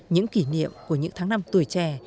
những kỷ niệm của những tháng năm tuổi trẻ